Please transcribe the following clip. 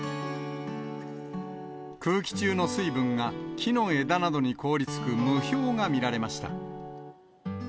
空気中の水分が木の枝などに凍りつく霧氷が見られました。